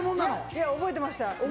いや覚えてました。